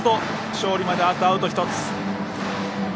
勝利まであとあうと１つ。